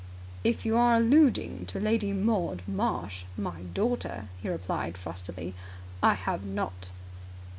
"If you are alluding to Lady Maud Marsh, my daughter," he replied frostily, "I have not!"